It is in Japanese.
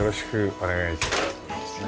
お願いします。